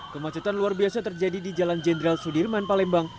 kemacetan luar biasa terjadi di jalan jenderal sudirman palembang